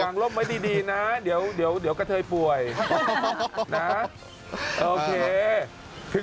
วางรบไว้ดีนะเดี๋ยวกระเทยป่วยนะโอเค